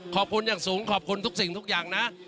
ขอบคุณอย่างสูงขอบคุณทุกสิ่งทุกอย่างนะ